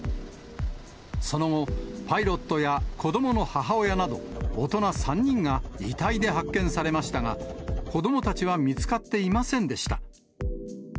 その後、パイロットや子どもの母親など、大人３人が遺体で発見されましたが、子どもたちは見つかっていませんでした。